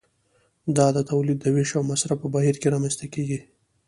دا د تولید د ویش او مصرف په بهیر کې رامنځته کیږي.